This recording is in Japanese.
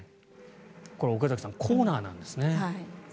岡崎さんコーナーなんですね。